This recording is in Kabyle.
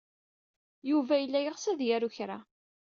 Yuba yella yeɣs ad d-yaru kra.